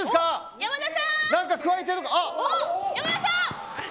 山田さん。